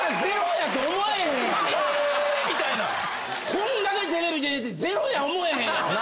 こんだけテレビ出ててゼロや思えへんやん。